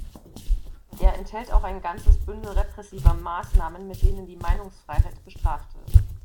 Er enthält auch ein ganzes Bündel repressiver Maßnahmen, mit denen die Meinungsfreiheit bestraft wird.